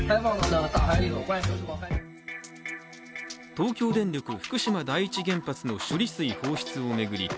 東京電力・福島第一原発の処理水放出を巡り